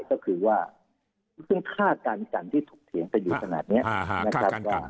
ก็คือว่าค่าการกันที่ถูกเถียงไปอยู่ขนาดนี้